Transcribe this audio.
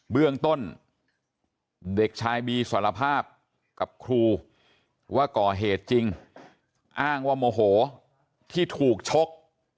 เบื้องต้นเด็กชายบีสารภาพกับครูว่าก่อเหตุจริงอ้างว่าโมโหที่ถูกชก